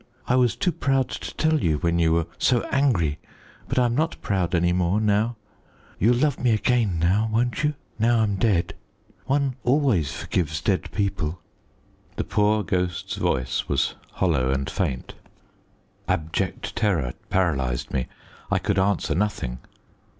I was too proud to tell you when you were so angry, but I am not proud any more now. You'll love me again now, won't you, now I'm dead? One always forgives dead people." The poor ghost's voice was hollow and faint. Abject terror paralyzed me. I could answer nothing.